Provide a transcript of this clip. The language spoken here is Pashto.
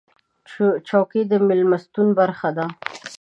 چوکۍ د میلمستون برخه ده.